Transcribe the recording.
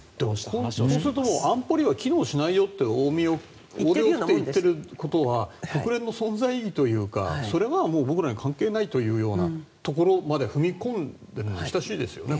そうすると安保理は機能しないよと大手を振って言っているようなことは国連の存在意義というかそれはもう僕らに関係ないというようなところまで踏み込んでいるに等しいですよね。